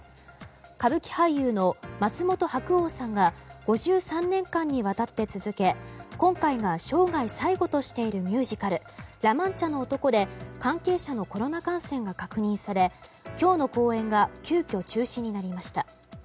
歌舞伎俳優の松本白鸚さんが５３年間にわたって続け今回が生涯最後としているミュージカル「ラ・マンチャの男」で関係者のコロナ感染が確認され今日の公演が急きょ、中止になりました。